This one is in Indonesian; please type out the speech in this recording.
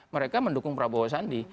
mereka mendukung prabowo sandi